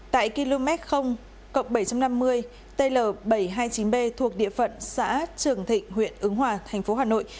tại km bảy trăm năm mươi tl bảy trăm hai mươi chín b thuộc địa phận xã trường thịnh huyện ứng hòa thành phố hà nội